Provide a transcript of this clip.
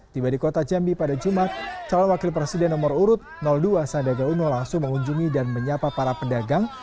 tiba di kota jambi pada jumat calon wakil presiden nomor urut dua sandiaga uno langsung mengunjungi dan menyapa para pedagang